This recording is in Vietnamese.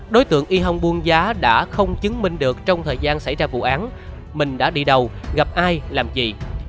đối tượng y hồng buôn giá đã không chứng minh được trong thời gian xảy ra vụ án mình đã đi đâu gặp ai làm gì